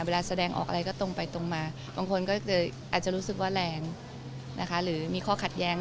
แสดงออกอะไรก็ตรงไปตรงมาบางคนก็อาจจะรู้สึกว่าแรงนะคะหรือมีข้อขัดแย้ง